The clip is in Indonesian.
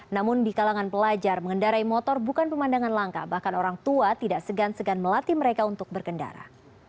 namun di kalangan pelajar mengendarai motor bukan pemandangan langka bahkan orang tua tidak segan segan melatih mereka untuk berkendara